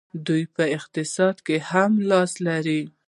دوی په اقتصاد کې هم لاس لري.